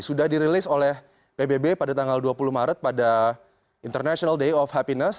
sudah dirilis oleh pbb pada tanggal dua puluh maret pada international day of happiness